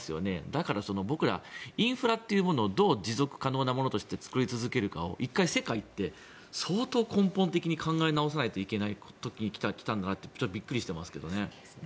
だから僕らインフラというものをどう持続可能なものとして作り続けるかを一回世界って相当根本的に考え直さないといけない時に来たんだなってちょっとびっくりしてますけどね。